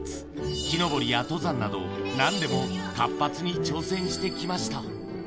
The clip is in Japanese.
木登りや登山など、なんでも活発に挑戦してきました。